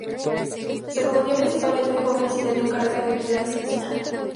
Se componía principalmente de jóvenes y tenía un carácter de vigilancia vecinal.